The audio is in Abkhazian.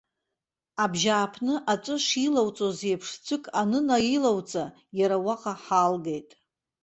Абжьааԥны аҵәы шилауҵалоз еиԥш ҵәык анынаилауҵа, иара уаҟа ҳаалгеит.